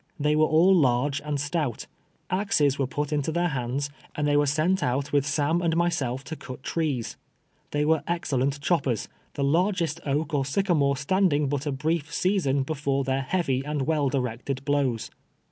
They were all large and stout. Axes were put into tlieir hands, and they were sent 15G TWKr.VK YKAKS A SLATE. out witli Sam tiiul invsell' to cut trees. Tlicy wero excelleat choppers, the largest oak or sycamore stand ing but a Ijrief season Ijctbre their heavy and well directed blows.